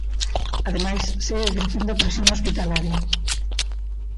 Ademais, segue crecendo a presión hospitalaria.